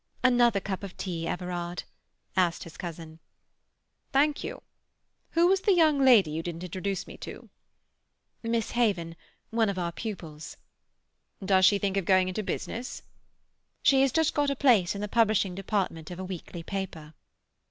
"Another cup of tea, Everard?" asked his cousin. "Thank you. Who was the young lady you didn't introduce me to?" "Miss Haven—one of our pupils." "Does she think of going into business?" "She has just got a place in the publishing department of a weekly paper."